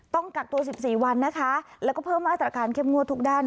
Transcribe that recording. ต้องกักตัว๑๔วันนะคะแล้วก็เพิ่มมาตรการเข้มงวดทุกด้าน